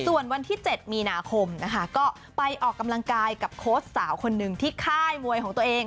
ส่วนวันที่๗มีนาคมนะคะก็ไปออกกำลังกายกับโค้ชสาวคนหนึ่งที่ค่ายมวยของตัวเอง